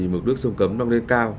mục đích sông cấm nâng lên cao